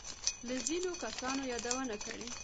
له ځینو کسانو يادونه کړې.